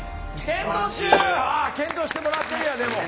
検討してもらってるやんでも。